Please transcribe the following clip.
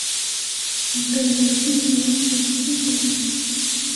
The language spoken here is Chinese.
你的眼神如水晶莹